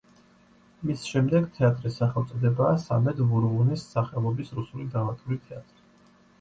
მის შემდეგ თეატრის სახელწოდებაა სამედ ვურღუნის სახელობის რუსული დრამატიული თეატრი.